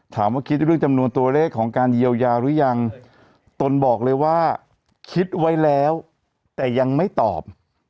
ถามว่าคิดเรื่องจำนวนตัวเลขของการเยียวยาหรือยังตนบอกเลยว่าคิดไว้แล้วแต่ยังไม่ตอบ